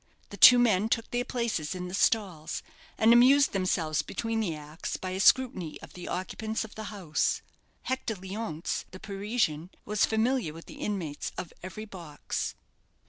The two young men took their places in the stalls, and amused themselves between the acts by a scrutiny of the occupants of the house. Hector Leonce, the Parisian, was familiar with the inmates of every box.